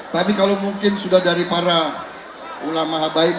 tapi kalau mungkin sudah dari para ulama habaib